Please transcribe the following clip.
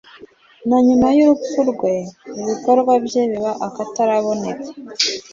na nyuma y'urupfu rwe, ibikorwa bye biba akataraboneka